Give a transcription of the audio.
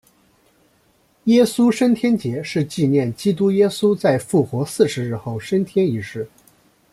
耶稣升天节是纪念基督耶稣在复活四十日后升天一事。